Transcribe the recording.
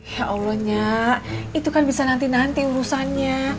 ya allah nyak itu kan bisa nanti nanti urusannya